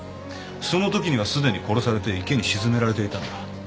そのときにはすでに殺されて池に沈められていたんだ。